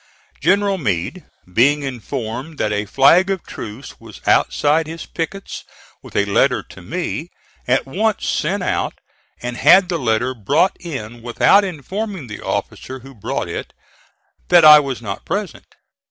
General Meade being informed that a flag of truce was outside his pickets with a letter to me, at once sent out and had the letter brought in without informing the officer who brought it that I was not present.